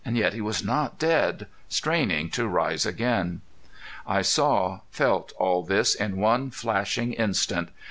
Yet he was not dead. Straining to rise again! I saw, felt all this in one flashing instant.